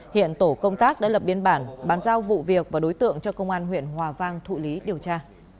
hiện tổ công tác đã lập biên bản bán giao vụ việc và đối tượng cho công an huyện hòa vang thụ lý điều tra